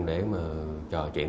để mà trò chuyện